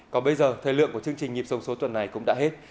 còn bây giờ thời lượng của chương trình nhịp sông số tuần này cũng đã hết